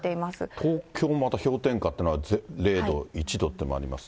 東京もまた氷点下っていうのは、０度、１度っていうのもありますね。